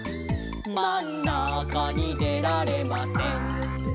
「まんなかにでられません」